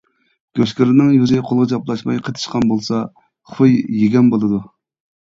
گۆشگىردىنىڭ يۈزى قولغا چاپلاشماي قېتىشقان بولسا خۇي يېگەن بولىدۇ.